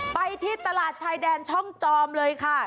ไปที่ตลาดชายแดนช่องจอมเลยค่ะ